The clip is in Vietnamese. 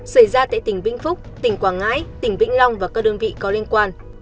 xảy ra tại tỉnh vĩnh phúc tỉnh quảng ngãi tỉnh vĩnh long và các đơn vị có liên quan